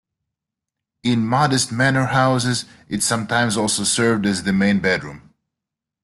In modest manor houses it sometimes also served as the main bedroom.